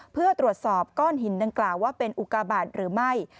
เพื่อตรวจสอบก้อนหินดังกล่าวว่าเป็นอุกาบาทหรือไม่